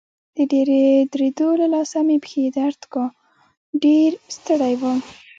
د ډېرې درېدو له لاسه مې پښې درد کاوه، ډېر ستړی وم.